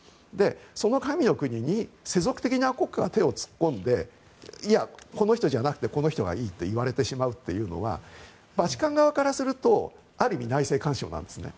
その国に、世俗的な国家が手を突っ込んでこの人じゃなくてこの人がいいと言われてしまうというのはバチカン側からするとある意味、内政干渉なんですね。